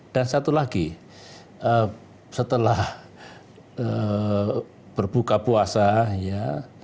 dan satu lagi setelah berbuka puasa ya